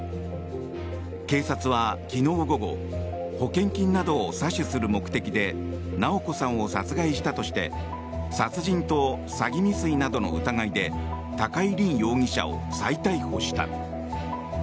警察は昨日午後保険金などを詐取する目的で直子さんを殺害したとして殺人と詐欺未遂などの疑いで高井凜容疑者を再逮捕した。